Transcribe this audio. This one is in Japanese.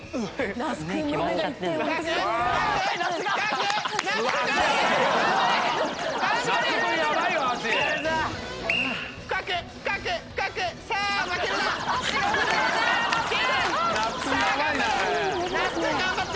那須君頑張って。